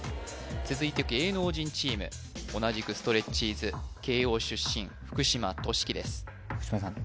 続いて芸能人チーム同じくストレッチーズ慶應出身福島敏貴です福島さん